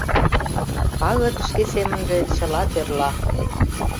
Пагыт шке семынже чыла тӧрла.